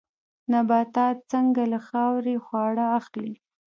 نباتات څنګه له خاورې خواړه اخلي؟